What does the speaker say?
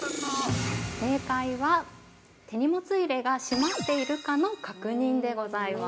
◆正解は、手荷物入れが閉まっているかの確認でございます。